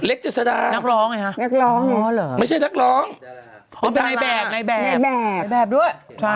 เล็กเจษดานักร้องไงฮะไม่ใช่นักร้องเป็นดาราในแบบในแบบด้วย